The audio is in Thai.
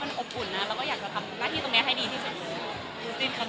อืมมันก็จะเกรงไหมมันจะเป็นอย่างกัน